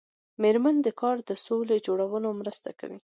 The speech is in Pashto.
د میرمنو کار د سولې جوړولو مرسته کوي.